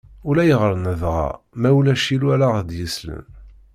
Ulayɣer nedɛa ma ulac illu ara ɣ-d-yeslen.